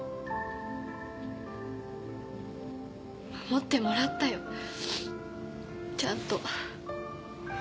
守ってもらったよちゃんと。